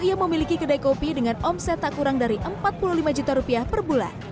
ia memiliki kedai kopi dengan omset tak kurang dari empat puluh lima juta rupiah per bulan